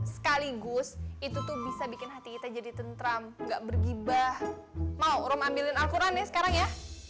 sekaligus itu tuh bisa bikin hati kita jadi tentram nggak bergibah mau ambilin alquran sekarang ya